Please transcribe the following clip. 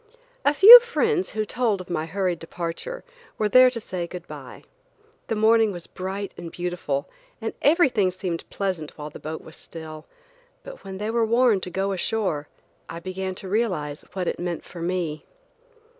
A few friends who told of my hurried departure, were there to say good bye. The morning was bright and beautiful, and everything seemed very pleasant while the boat was still; but when they were warned to go ashore, I began to realize what it meant for me.